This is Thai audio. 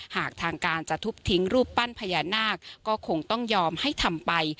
หากทางการจะทุบทิ้งรูปปั้นพญานาคก็คงต้องยอมให้ทำไป